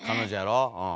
うん。